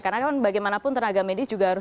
karena bagaimanapun tenaga medis juga harus